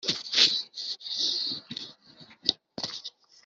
Dore ijuru ndetse n’ijuru risumba ayandi